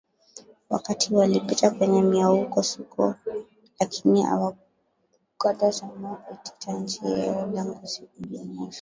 wakati walipita kwenye miauko suko lakini awakukata tamaa kuitetea nchi yao lengo si kujionyesha